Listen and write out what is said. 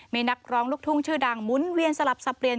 มีนักร้องลูกทุ่งชื่อดังหมุนเวียนสลับสับเปลี่ยน